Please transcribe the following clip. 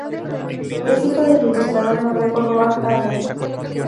Es hijo del ilustrador noruego Roar Hagen.